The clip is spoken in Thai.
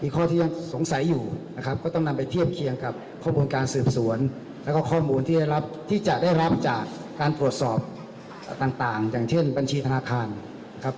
จะได้รับที่จะได้รับจากการตรวจสอบต่างต่างอย่างเช่นบัญชีธนาคารครับ